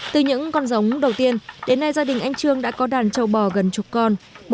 từ những con giống đầu tiên đến nay gia đình anh trương đã có đàn trâu bò gần chục con